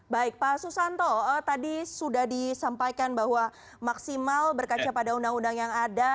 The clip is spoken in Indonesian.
baik pak susanto tadi sudah disampaikan bahwa maksimal berkaca pada undang undang yang ada